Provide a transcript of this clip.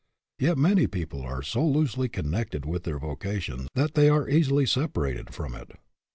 Yet many peo ple are so loosely connected with their voca tion that they are easily separated from it.